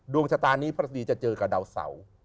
ดวงชะตานี้พระศดีจะเจอกับดาวเสา